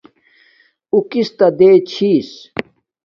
اُو کس تا دیں چھس